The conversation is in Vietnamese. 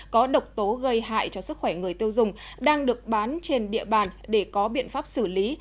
có độc tố gây hại cho sức khỏe người tiêu dùng đang được bán trên địa bàn để có biện pháp xử lý